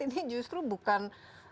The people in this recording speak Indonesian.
ini justru bukan